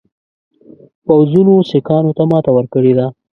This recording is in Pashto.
پوځونو سیکهانو ته ماته ورکړې ده.